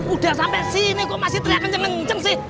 udah sampai sini kok masih teria kenceng kenceng sih